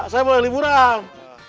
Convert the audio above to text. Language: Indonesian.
saya boleh liburan